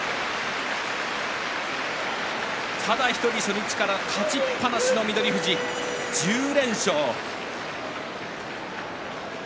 ただ１人初日から勝ちっぱなしの翠富士１０連勝。